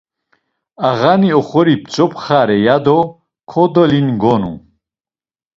Ağani oxori p̌tzopxare ya do kodelingonu.